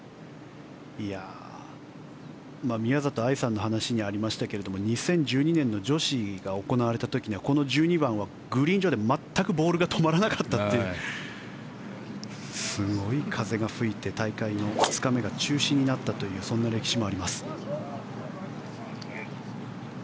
宮里藍さんの話にありましたけど２０１２年の女子が行われた時にはこの１２番はグリーン上で全くボールが止まらなかったというすごい風が吹いて大会の２日目が中止になったというそんな歴史もあります。